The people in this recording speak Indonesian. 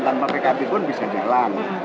tanpa pkb pun bisa jalan